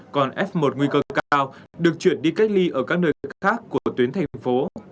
còn f một nguy cơ cao được chuyển đi cách ly ở các nơi thật khác của tuyến thành phố